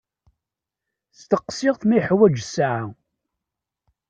Steqsiɣ-t ma yeḥwaǧ ssaεa.